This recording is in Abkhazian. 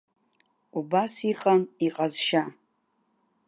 Убас иҟан иҟазшьа.